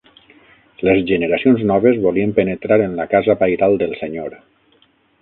Les generacions noves volien penetrar en la Casa pairal del Senyor